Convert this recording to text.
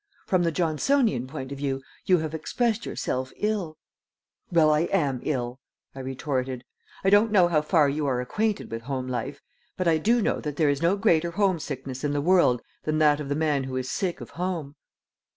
From the Johnsonian point of view you have expressed yourself ill " "Well, I am ill," I retorted. "I don't know how far you are acquainted with home life, but I do know that there is no greater homesickness in the world than that of the man who is sick of home."